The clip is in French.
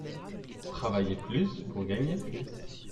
Travailler plus pour gagner plus.